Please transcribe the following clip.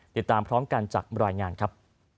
ติดตามพร้อมกันจากรายงานครับ